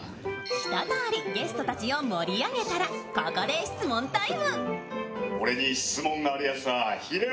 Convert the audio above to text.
一通りゲストたちを盛り上げたらここで質問タイム。